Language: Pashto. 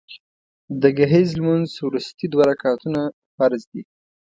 د ګهیځ لمونځ وروستي دوه رکعتونه فرض دي